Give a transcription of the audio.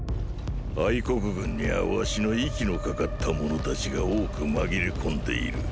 国軍には儂の息のかかった者たちが多く紛れ込んでいる。